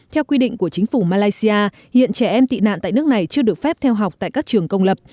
theo quy định của chính phủ malaysia hiện trẻ em tị nạn tại nước này chưa được phép theo học tại các trường công lập